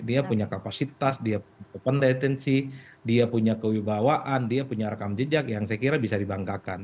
dia punya kapasitas dia punya tensi dia punya kewibawaan dia punya rekam jejak yang saya kira bisa dibanggakan